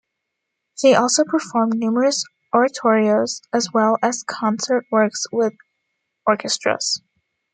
She also performed numerous oratorios as well as concert works with orchestras.